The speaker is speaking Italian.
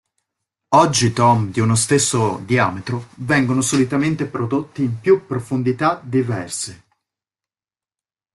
Oggi tom di uno stesso diametro vengono solitamente prodotti in più profondità diverse.